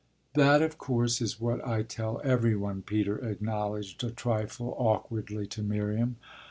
"That of course is what I tell every one," Peter acknowledged a trifle awkwardly to Miriam.